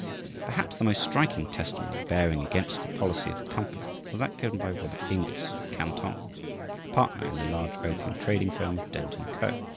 Perhaps the most striking testimony bearing against the policy of the company was that given by Robert Inglis, of Canton, a partner in the large opium trading firm of Dent & Co.